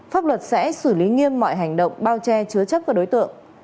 pháp luật sẽ xử lý nghiêm mọi hành động bao che chứa chấp các đối tượng